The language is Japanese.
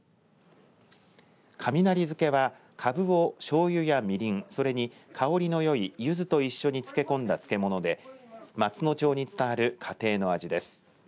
雷漬はかぶを、しょうゆや、みりんそれに香りのよいゆずと一緒に漬け込んだ漬物で松野町に伝わる家庭の味です。